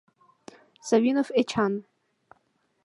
Савинов Эчан.